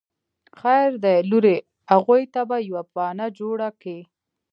خير دی لورې اغوئ ته به يوه بانه جوړه کې.